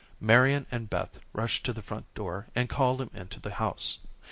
Marian and Beth rushed to the front door, and called him into the house.